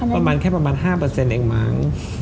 ประมาณแค่ประมาณ๕เองมั้ง